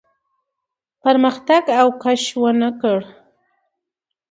پرمختګ او کش ونه کړ.